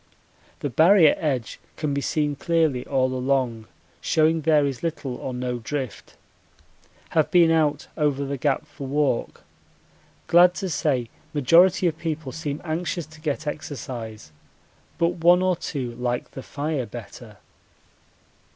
The Barrier edge can be seen clearly all along, showing there is little or no drift. Have been out over the Gap for walk. Glad to say majority of people seem anxious to get exercise, but one or two like the fire better.